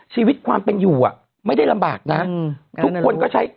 ชีวิตความเป็นอยู่อ่ะไม่ได้ลำบากนะทุกคนก็ใช้